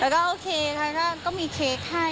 ก็ค่อนข้างก็มีเช็คให้